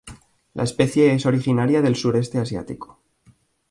La especie es originaria del sureste asiático.